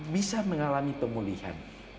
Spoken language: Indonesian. bisa mengalami pemulihan